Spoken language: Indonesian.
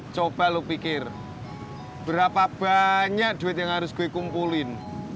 coba lo pikir berapa banyak duit yang harus gue kumpulin